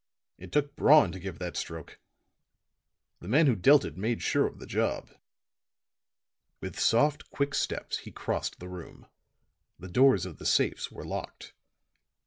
It took brawn to give that stroke; the man who dealt it made sure of the job." With soft, quick steps he crossed the room. The doors of the safes were locked.